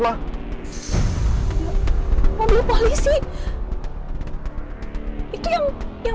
ibu harus secepat mungkin